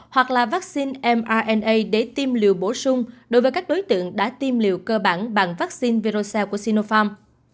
hoặc là vaccine mna để tiêm liều bổ sung đối với các đối tượng đã tiêm liều cơ bản bằng vaccine virus của sinopharm